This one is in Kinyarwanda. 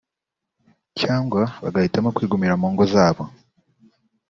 cyangwa bagahitamo kwigumira mu ngo zabo